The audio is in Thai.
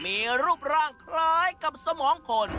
มีทั้งดอกเล็กและใหญ่มีรูปร่างคล้ายกับสมองคน